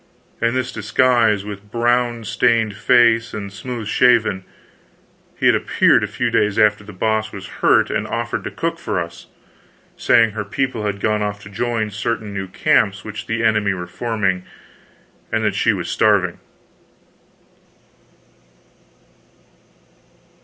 In this disguise, with brown stained face and smooth shaven, he had appeared a few days after The Boss was hurt and offered to cook for us, saying her people had gone off to join certain new camps which the enemy were forming, and that she was starving.